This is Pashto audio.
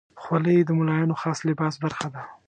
خولۍ د ملایانو خاص لباس برخه ده.